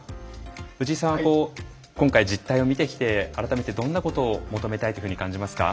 藤井さんは今回実態を見てきて改めてどんなことを求めたいというふうに感じますか？